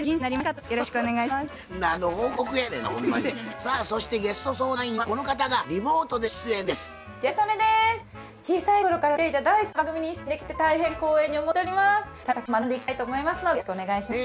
さあそしてゲスト相談員はこの方がリモートでご出演です。